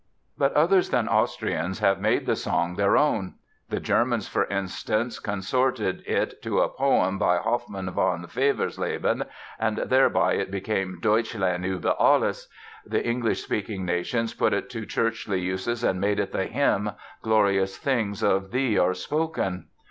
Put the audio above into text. But others than Austrians have made the song their own. The Germans, for instance, consorted it to a poem by Hoffmann von Fallersleben and thereby it became "Deutschland über alles"; the English speaking nations put it to churchly uses and made of it the hymn "Glorious Things of Thee are Spoken".